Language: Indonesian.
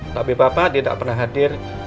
tapi bapak tidak pernah hadir